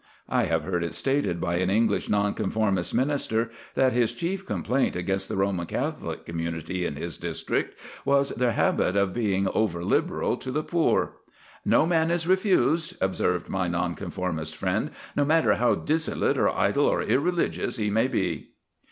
I have heard it stated by an English Nonconformist minister that his chief complaint against the Roman Catholic community in his district was their habit of being over liberal to the poor. "No man is refused," observed my Nonconformist friend, "no matter how dissolute or idle or irreligious he may be."